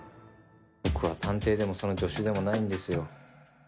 「僕は探偵でもその助手でもないんですよ」